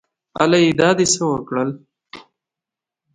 الۍ دا دې څه وکړه